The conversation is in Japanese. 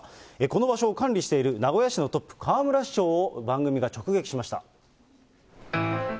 この場所を管理している名古屋市のトップ、河村市長を番組が直撃しました。